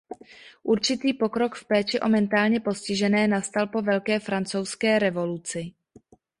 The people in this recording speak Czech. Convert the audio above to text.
Určitý pokrok v péči o mentálně postižené nastal po Velké francouzské revoluci.